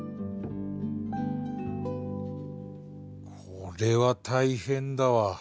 これは大変だわ。